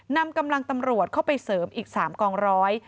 นำกำลังตำรวจเข้าไปเสริมอีก๓กองร้อย